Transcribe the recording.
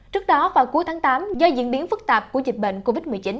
trước đó vào cuối tháng tám do diễn biến phức tạp của dịch bệnh covid một mươi chín